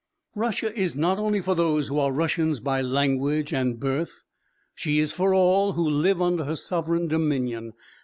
Russia is not only for those who are Russians by language and birth, she is for all who live under her sovereign dominion.